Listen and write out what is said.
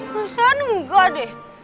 nusantar enggak deh